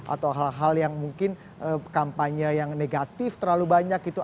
atau hal hal yang mungkin kampanye yang negatif terlalu banyak gitu